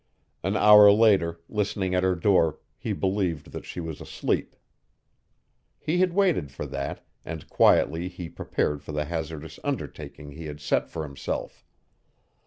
An hour later, listening at her door, he believed that she was asleep. He had waited for that, and quietly he prepared for the hazardous undertaking he had set for himself.